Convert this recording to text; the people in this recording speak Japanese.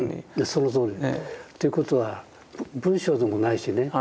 そのとおり。ということは文章でもないしね。